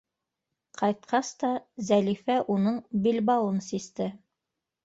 Ҡайтҡас та Зәлифә уның билбауын систе.